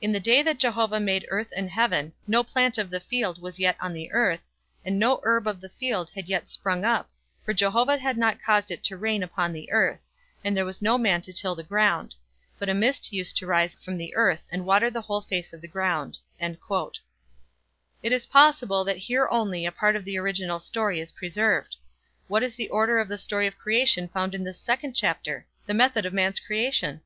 "In the day that Jehovah made earth and heaven, no plant of the field was yet on the earth, and no herb of the field had yet sprung up, for Jehovah had not caused it to rain upon the earth, and there was no man to till the ground; but a mist used to rise from the earth and water the whole face of the ground." It is possible that here only a part of the original story is preserved. What is the order in the story of creation found in this second chapter? The method of man's creation?